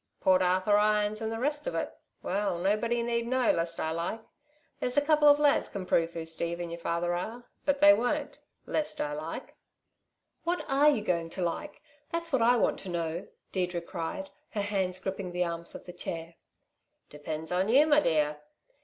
"Port Arthur, irons 'n the rest of it! Well, nobody need know, lest I like. There's a couple of lads can prove who Steve and y'r father are, but they won't lest I like." "What are you going to like? That's what I want to know," Deirdre cried, her hands gripping the arms of the chair. "Depends on you, my dear!"